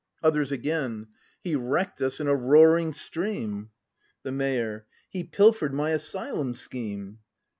Others Again. He wreck'd us in a roaring stream I The Mayor. He pilfer'd my Asylum scheme!